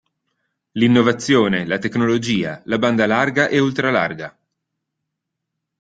L'innovazione, la tecnologia, la banda larga e ultra-larga.